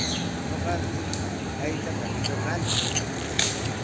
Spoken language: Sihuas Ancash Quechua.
Ñuqanchik aychata mikurqanchik.